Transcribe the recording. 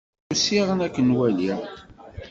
Usiɣ-n ad ken-waliɣ.